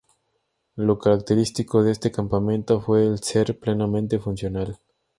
Lo característico de este campamento, fue el ser plenamente funcional.